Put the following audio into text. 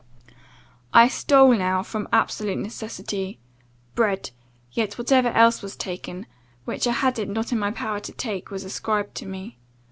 "I stole now, from absolute necessity, bread; yet whatever else was taken, which I had it not in my power to take, was ascribed to me.